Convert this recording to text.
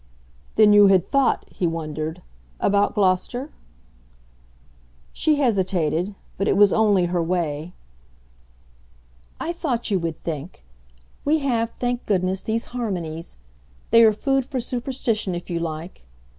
"Then you had thought," he wondered, "about Gloucester?" She hesitated but it was only her way. "I thought you would think. We have, thank goodness, these harmonies. They are food for superstition if you like.